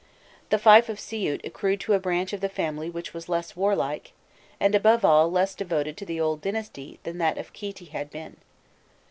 The fief of Siût accrued to a branch of the family which was less warlike, and above all less devoted to the old dynasty than that of Khîti had been.